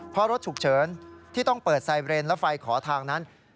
เพราะรถฉุกเฉินที่ต้องเปิดไซเรนและไฟขอทางนั้น